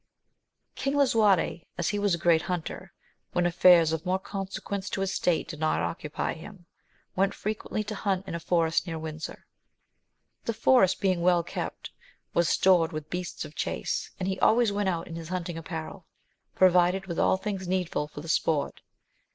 IING LISUARTE, as he was a great hunter, when affairs of more consequence to his state did not occupy him, went frequently to hunt in a forest near Windsor. The forest being well kept, was stored with beasts of chace, and he always went out in his hunting apparel, provided with all things needful for the sport.